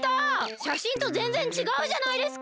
しゃしんとぜんぜんちがうじゃないですか！